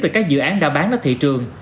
từ các dự án đã bán đến thị trường